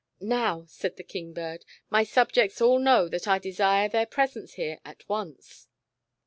"Now," said the King bird, "my subjects all know that I desire their presence here, at once."